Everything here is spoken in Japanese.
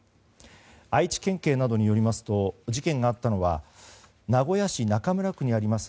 愛知県警などによりますと事件があったのは名古屋市中村区にあります